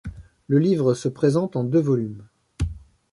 Le livre se présente en deux volumes.